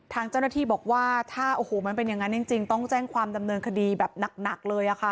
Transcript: ทางเจ้าหน้าที่บอกว่าถ้าโอ้โหมันเป็นอย่างนั้นจริงต้องแจ้งความดำเนินคดีแบบหนักเลยค่ะ